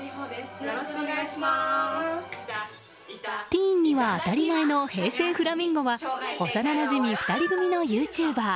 ティーンには当たり前の平成フラミンゴは幼なじみ２人組のユーチューバー。